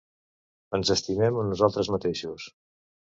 Ens estimem a nosaltres mateixos.